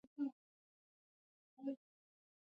افغانستان د د اوبو سرچینې د ساتنې لپاره قوانین لري.